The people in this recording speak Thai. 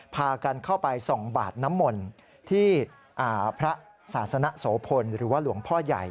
พากันเข้าไปส่องบาดน้ำมนต์ที่พระศาสนโสพลหรือว่าหลวงพ่อใหญ่